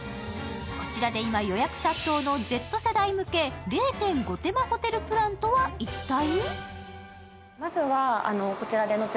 こちらで今、予約殺到のＺ世代向け０．５手間ホテルプランとは一体？